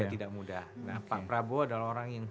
tidak mudah nah pak prabowo adalah orang yang